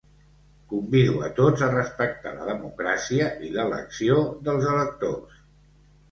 Convido a tots a respectar la democràcia i l’elecció dels electors.